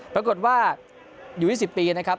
ปรากฏว่าอยู่๒๐ปีนะครับ